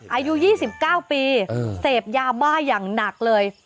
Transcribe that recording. อายุ๒๙ปีเสพยาบ้าอย่างหนักเลย